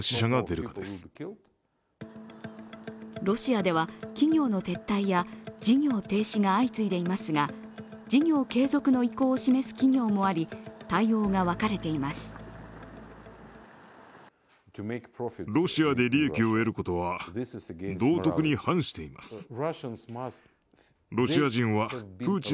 ロシアでは企業の撤退や事業停止が相次いでいますが、事業継続の意向を示す企業もあり、対応が分かれています。